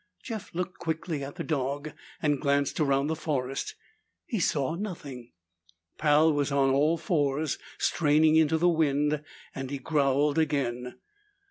Jeff looked quickly at the dog and glanced around the forest. He saw nothing. Pal was on all fours, straining into the wind, and he growled again.